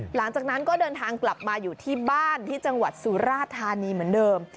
หลังจากนั้นก็เดินทางกลับมาอยู่ที่บ้านที่จังหวัดสุราธานีเหมือนเดิม